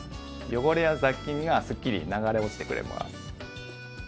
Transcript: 汚れや雑菌がスッキリ流れ落ちてくれます。